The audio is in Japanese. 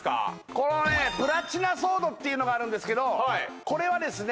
このねプラチナソードっていうのがあるんですけどこれはですね